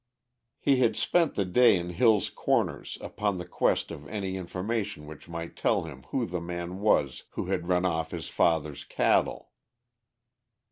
He had spent the day in Hill's Corners upon the quest of any information which might tell him who the man was who had run off his father's cattle.